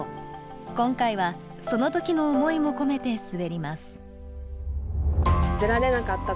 今回はその時の思いも込めて滑ります。